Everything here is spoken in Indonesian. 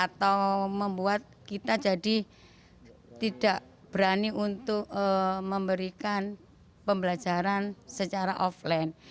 atau membuat kita jadi tidak berani untuk memberikan pembelajaran secara offline